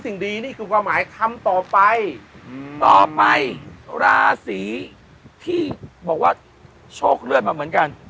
สิ่งดีนี่คือความหมายทำต่อไปต่อไปราศีที่บอกว่าโชคเลือดมาเหมือนกัน